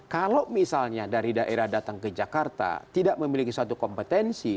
kalau misalnya dari daerah datang ke jakarta tidak memiliki satu kompetensi